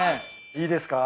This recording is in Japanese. いいですか？